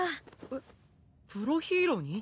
えっプロヒーローに？